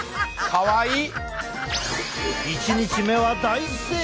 かわいい。